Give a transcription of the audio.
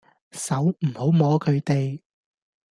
手唔好摸佢哋